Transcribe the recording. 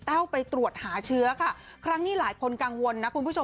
้วไปตรวจหาเชื้อค่ะครั้งนี้หลายคนกังวลนะคุณผู้ชม